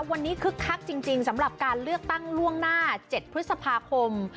วันนี้คึกคักจริงสำหรับการเลือกตั้งล่วงหน้า๗พฤษภาคม